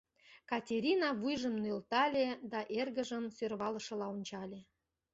Катерина вуйжым нӧлтале да эргыжым сӧрвалышыла ончале: